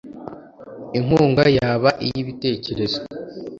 Inkunga yaba iy ibitekerezo